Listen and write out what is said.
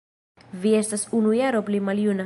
Vi estas unu jaro pli maljuna